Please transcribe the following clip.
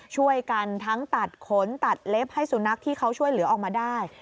ช่วยกันทั้งตัดขนตัดเล็บให้สุนัขที่เขาช่วยเหลือออกมาได้